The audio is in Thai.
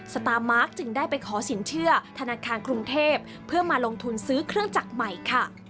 สตาร์มาร์คจึงได้ไปขอสินเชื่อธนาคารกรุงเทพเพื่อมาลงทุนซื้อเครื่องจักรใหม่ค่ะ